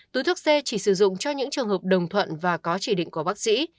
túi thuốc c chỉ sử dụng cho những trường hợp đồng thuận và có chỉ định của bác sĩ